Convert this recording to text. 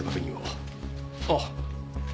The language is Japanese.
あっ。